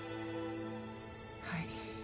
はい